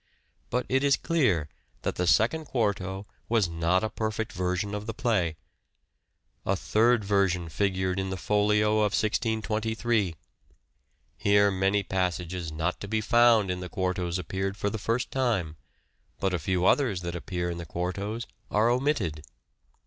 But it is clear that the Second Quarto was not a perfect version of the play. A third version figured in the Folio of 1623. Here many passages not to be found in the quartos appeared for the first time, but a few others that appear in the quartos are omitted.